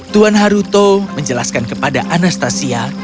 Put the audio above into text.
tuan haruto menjelaskan kepada anastasia